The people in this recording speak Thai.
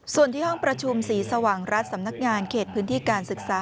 ส่วนที่ห้องประชุมศรีสว่างรัฐสำนักงานเขตพื้นที่การศึกษา